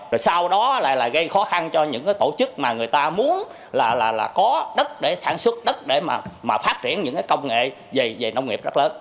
rồi sau đó lại là gây khó khăn cho những tổ chức mà người ta muốn là có đất để sản xuất đất để mà phát triển những cái công nghệ về nông nghiệp rất lớn